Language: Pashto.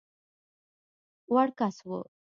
وړ کس وو.